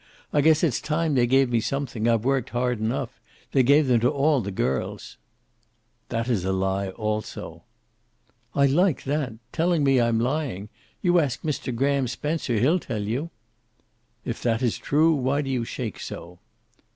"I guess it's time they gave me something I've worked hard enough. They gave them to all the girls." "That is a lie also." "I like that. Telling me I'm lying. You ask Mr. Graham Spencer. He'll tell you." "If that is true, why do you shake so?"